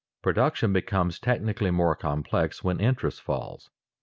Production becomes technically more complex when interest falls.